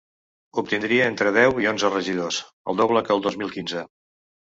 Obtindria entre deu i onze regidors, el doble que el dos mil quinze.